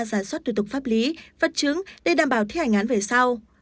giả soát thủ tục pháp lý vật chứng để đảm bảo thi hành án về sau